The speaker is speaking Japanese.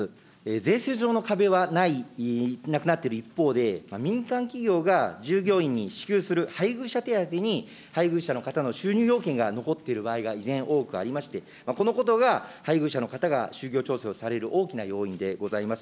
税制上の壁はない、なくなっている一方で、民間企業が従業員に支給する配偶者手当に配偶者の方の収入要件が残っている場合が依然多くありまして、このことが、配偶者の方が就業調整をされる大きな要因でございます。